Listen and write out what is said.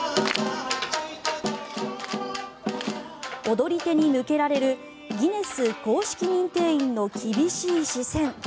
踊り手に向けられるギネス公式認定員の厳しい視線。